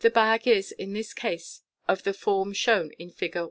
253 bag is in this case of the form shown in Fig.